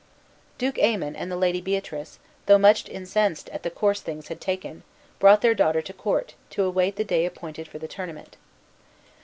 Duke Aymon and the Lady Beatrice, though much incensed at the course things had taken, brought their daughter to court, to await the day appointed for the tournament.